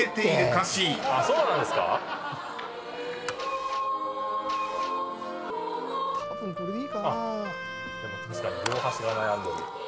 確かに両端が悩んでる。